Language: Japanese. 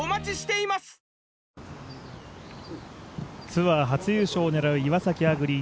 ツアー初優勝を狙う岩崎亜久竜